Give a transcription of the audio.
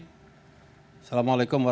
assalamualaikum wr wb